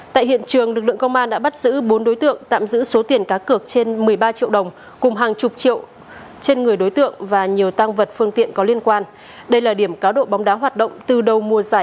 tại hiện trường lực lượng công an đã bắt giữ bốn đối tượng tạm giữ số tiền cá cược trên một mươi ba triệu đồng cùng hàng chục triệu trên người đối tượng và nhiều tăng vật phương tiện có liên quan đây là điểm cáo độ bóng đá hoạt động từ đầu mùa giải